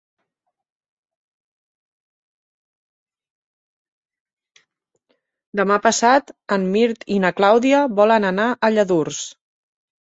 Demà passat en Mirt i na Clàudia volen anar a Lladurs.